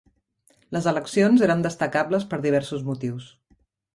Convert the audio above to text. Les eleccions eren destacables per diversos motius.